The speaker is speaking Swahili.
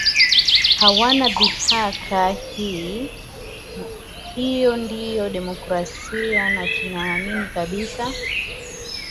hawana dhiaka hii hiyo ndiyo demokrasia na tunaamini kabisa